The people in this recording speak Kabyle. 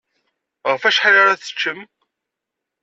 Ɣef wacḥal ara teččem?